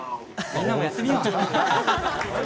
みんなもやってみよう！